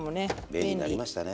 便利になりましたね。